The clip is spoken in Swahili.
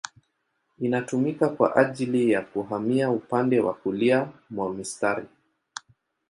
Inatumika kwa ajili ya kuhamia upande wa kulia mwa mstari.